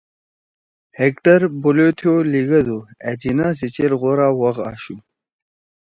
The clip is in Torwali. ہیکٹر بولیتھو لیگَدُو، ”أ جناح سی چیر غورا وَخ آشُو